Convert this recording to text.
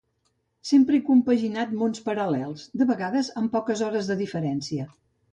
Sempre he compaginat mons paral·lels, de vegades amb poques hores de diferència.